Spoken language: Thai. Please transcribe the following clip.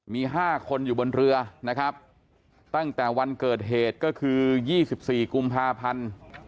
มี๕คนอยู่บนเรือนะครับตั้งแต่วันเกิดเหตุก็คือ๒๔กุมภาพันธ์